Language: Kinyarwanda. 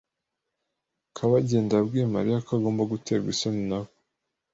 Kabagenda yabwiye Mariya ko agomba guterwa isoni na we.